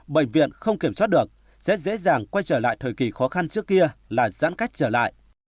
bệnh viện không kiểm soát được rất dễ dàng quay trở lại thời kỳ khó khăn trước kia là giãn cách trở lại